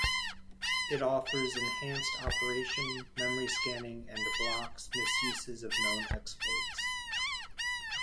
It offers enhanced operation memory scanning and blocks misuses of known exploits.